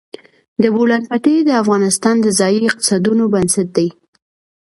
د بولان پټي د افغانستان د ځایي اقتصادونو بنسټ دی.